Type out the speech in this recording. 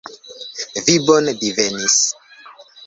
Vi bone divenis.